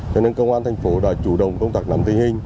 cho nên công an thành phố đã chủ động công tác nắm tình hình